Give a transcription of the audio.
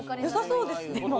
良さそうですよ。